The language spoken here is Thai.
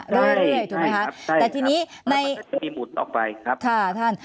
ใช่ใช่ใช่แล้วมันไม่ถึงมีหมุนออกไปครับครับครับ